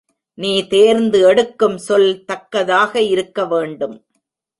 நீ தேர்ந்து எடுக்கும் சொல் தக்கதாக இருக்க வேண்டும்.